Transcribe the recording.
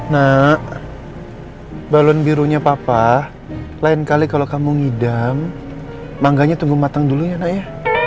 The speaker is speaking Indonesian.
nah balon birunya papa lain kali kalau kamu ngidam mangganya tunggu matang dulu ya nak ya